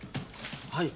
はい。